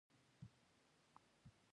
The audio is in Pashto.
پښتون به تل پښتون وي.